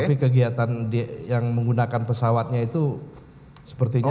tapi kegiatan yang menggunakan pesawatnya itu sepertinya